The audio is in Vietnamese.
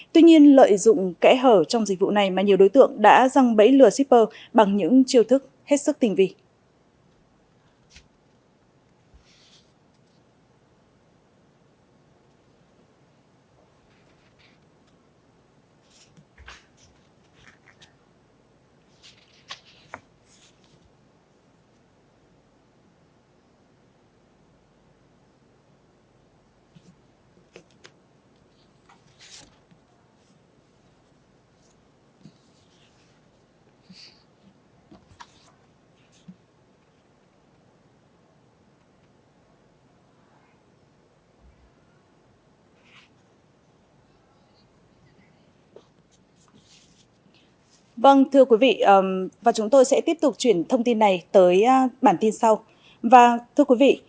tuy nhiên lợi dụng kẽ hở trong dịch vụ này mà nhiều đối tượng đã răng bẫy lừa shipper bằng những chiêu thức hết sức tình vị